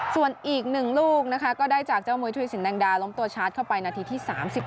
ส่วนอีก๑ลูกนะคะก็ได้จากเจ้ามุยธุรสินแดงดาล้มตัวชาร์จเข้าไปนาทีที่๓๑